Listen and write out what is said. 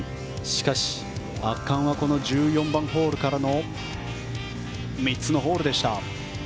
しかし圧巻は１４番ホールからの３つのホールでした。